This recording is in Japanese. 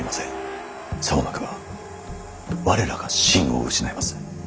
さもなくば我らが信を失います。